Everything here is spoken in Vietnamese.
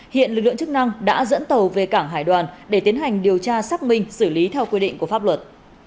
hiện lực lượng chức năng đã dẫn tàu về cảng hải đoàn để tiến hành điều tra xác minh xử lý theo quy định của pháp luật